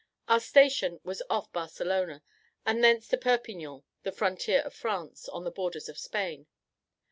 Our station was off Barcelona, and thence to Perpignan, the frontier of France, on the borders of Spain.